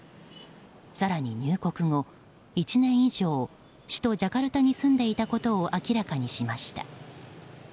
更に入国後１年以上首都ジャカルタに住んでいたことを明らかにしました。